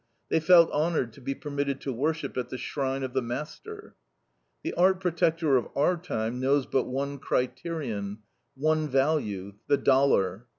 They felt honored to be permitted to worship at the shrine of the master. The art protector of our time knows but one criterion, one value, the dollar.